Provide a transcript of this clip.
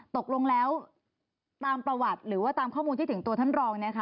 ตกลงแล้วตามประวัติหรือว่าตามข้อมูลที่ถึงตัวท่านรอง